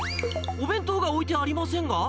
お弁当が置いてありません